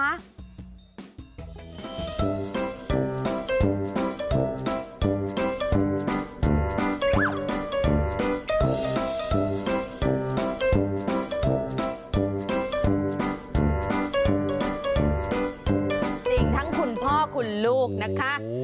จริงทั้งคุณพ่อคุณลูกนะคะ